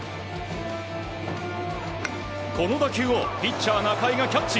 この打球をピッチャー仲井がキャッチ。